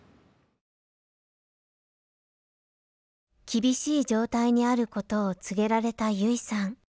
厳しい状態にあることを告げられた優生さん。